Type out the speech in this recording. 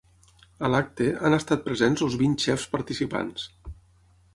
A l’acte, han estat presents els vint xefs participants.